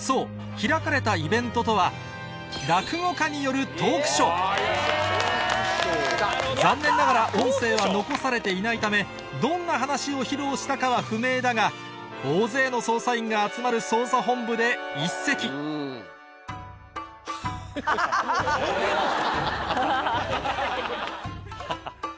開かれたイベントとは残念ながら音声は残されていないためどんな話を披露したかは不明だが大勢の捜査員が集まる捜査本部で一席ハハハハ！